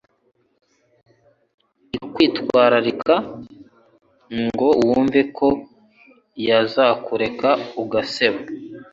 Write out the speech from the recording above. ikwitwararika ngo wumve ko yazakureka ugaseba